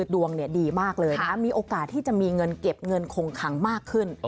โดงดีมากมีโอกาสที่เก็บเงินขงคังมากขึ้น